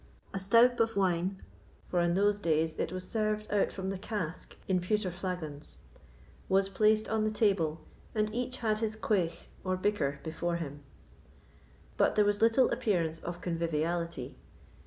A stoup of wine (for in those days it was served out from the cask in pewter flagons) was placed on the table, and each had his quaigh or bicker before him. But there was little appearance of conviviality.